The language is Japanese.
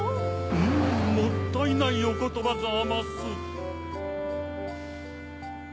うんもったいないおことばざます。